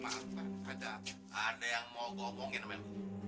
maaf pak ada yang mau ngomongin sama em